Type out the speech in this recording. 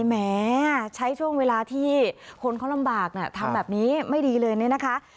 แม้ใช้ช่วงเวลาที่คนเขาลำบากทำแบบนี้ไม่ดีเลยเนี่ยนะคะ